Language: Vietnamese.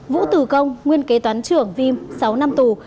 vũ tử công nguyên kế toán trưởng vim sáu năm tù